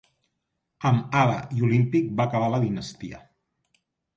Amb Ada i Olímpic va acabar la dinastia.